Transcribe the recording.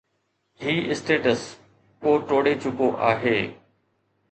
هي status ڪو ٽوڙي چڪو آهي.